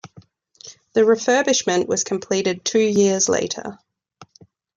The refurbishment was completed two years later.